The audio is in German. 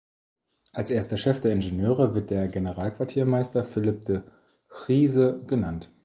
Als erster Chef der Ingenieure wird der Generalquartiermeister Philip de Chiese genannt.